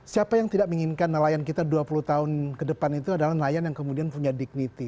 siapa yang tidak menginginkan nelayan kita dua puluh tahun ke depan itu adalah nelayan yang kemudian punya dignity